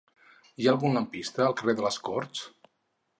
Hi ha algun lampista al carrer de les Corts?